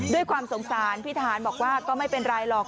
ด้วยความสงสารพี่ทหารบอกว่าก็ไม่เป็นไรหรอก